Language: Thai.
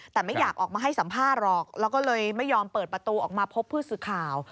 แต่ไม่อยากออกมาให้สัมภาษณ์หรอกแล้วก็เลยไม่ยอมเปิดประตูออกมาพบผู้สื่อข่าว